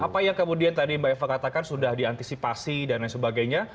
apa yang kemudian tadi mbak eva katakan sudah diantisipasi dan lain sebagainya